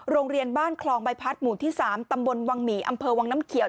โรงเรียนบ้านคลองใบพัดหมู่ที่๓ตำบลวังหมีอำเภอวังน้ำเขียว